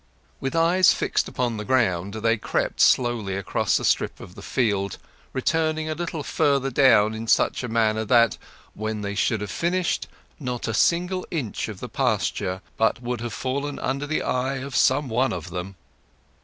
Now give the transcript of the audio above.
With eyes fixed upon the ground they crept slowly across a strip of the field, returning a little further down in such a manner that, when they should have finished, not a single inch of the pasture but would have fallen under the eye of some one of them.